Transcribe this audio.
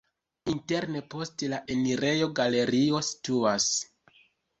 Interne post la enirejo galerio situas.